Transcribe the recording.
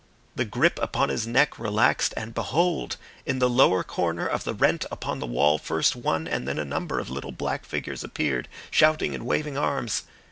The grip upon his neck relaxed, and behold! in the lower corner of the rent upon the wall, first one and then a number of little black figures appeared shouting and waving arms.